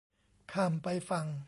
ข้ามไปฝั่ง